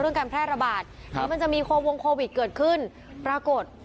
การแพร่ระบาดหรือมันจะมีโควงโควิดเกิดขึ้นปรากฏ